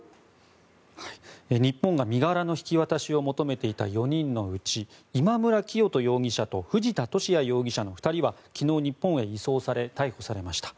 日本が身柄の引き渡しを求めていた４人のうち今村磨人容疑者と藤田聖也容疑者の２人は昨日、日本へ移送され逮捕されました。